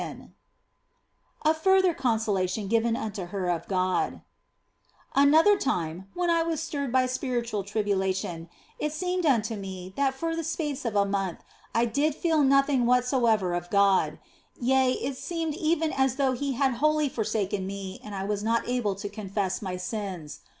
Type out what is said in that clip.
OF FOLIGNO 245 A FURTHER CONSOLATION GIVEN UNTO HER OF GOD ANOTHER time when I was stirred by spiritual tribulation it seemed unto me that for the space of a month I did feel nothing whatsoever of God ; yea, it seemed even as though He had wholly forsaken me and I was not able to confess my sins.